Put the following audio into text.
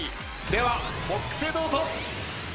ではボックスへどうぞ。